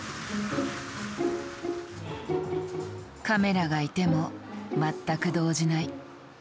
カメラがいても全く動じない。